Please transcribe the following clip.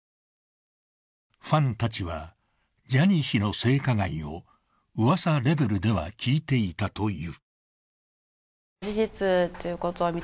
ファンたちはジャニー氏の性加害をうわさレベルでは聞いていたという。